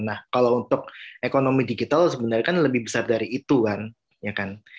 nah kalau untuk ekonomi digital sebenarnya kan lebih besar dari itu kan ya kan